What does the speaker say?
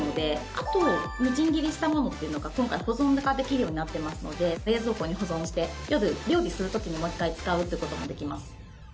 あとみじん切りにしたものというのが今回、保存ができるようになっていますので冷蔵庫に保存して夜、料理する時にもう１回使うということもできます。